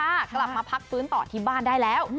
กลับมาพักฟื้นต่อที่บ้านได้แล้ว